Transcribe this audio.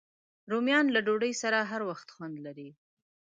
رومیان له ډوډۍ سره هر وخت خوند لري